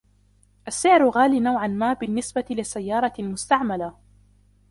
السعر غالي نوعاً ما بالنسبة لسيارة مستعملة.